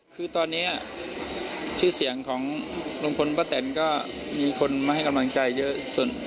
คือตอนนี้ชื่อเสียงของลุงพลป้าแตนก็มีคนมาให้กำลังใจเยอะ